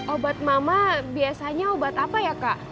obat mama biasanya obat apa ya kak